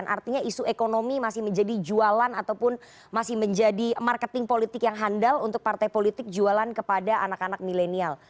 artinya isu ekonomi masih menjadi jualan ataupun masih menjadi marketing politik yang handal untuk partai politik jualan kepada anak anak milenial